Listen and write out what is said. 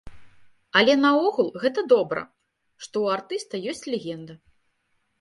Але наогул, гэта добра, што ў артыста ёсць легенда.